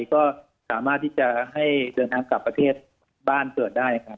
ก็สามารถที่จะให้เดินทางกลับประเทศบ้านเกิดได้ครับ